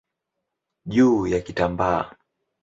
juu ya kitambaa.